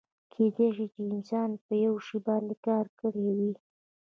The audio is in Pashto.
کیدای شي چې انسان په یو شي باندې کار کړی وي.